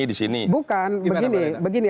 di sini bukan begini